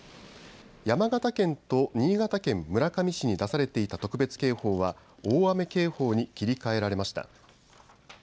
山形県と新潟県村上市に出されていた特別警報は大雨警報に切り替えられました。